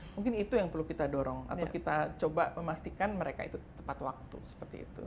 mungkin itu yang perlu kita dorong atau kita coba memastikan mereka itu tepat waktu seperti itu